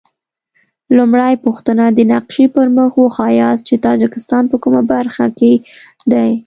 لومړۍ پوښتنه: د نقشې پر مخ وښایاست چې تاجکستان په کومه برخه کې دی؟